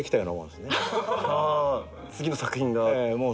次の作品が。